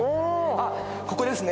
あっここですね。